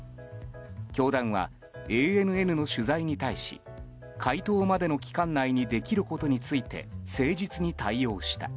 教団はＡＮＮの取材に対し回答までの期間内にできることについて誠実に対応した。